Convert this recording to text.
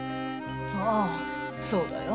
ああそうだよ。